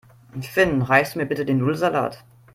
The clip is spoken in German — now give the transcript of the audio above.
Finn, reichst du mir bitte den Nudelsalat?